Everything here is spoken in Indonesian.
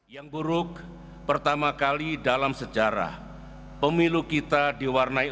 yang buruk pertama kali dalam sejarah pemilu kita diwarnai